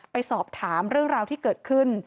ไปสอบถามเรื่องราวที่เกิดขึ้น